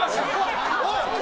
おい！